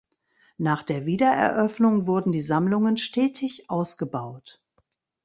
Nach der Wiedereröffnung wurden die Sammlungen stetig ausgebaut.